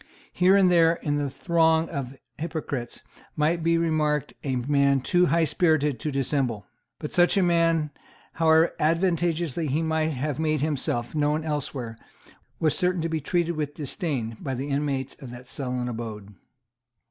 Here and there in the throng of hypocrites might be remarked a man too highspirited to dissemble. But such a man, however advantageously he might have made himself known elsewhere, was certain to be treated with disdain by the inmates of that sullen abode.